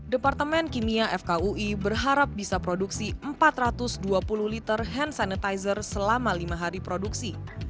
departemen kimia fkui berharap bisa produksi empat ratus dua puluh liter hand sanitizer selama lima hari produksi